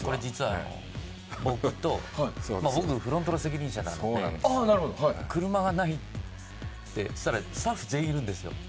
僕、フロントの責任者なので車がないって。そしたらスタッフ全員いるんですよ。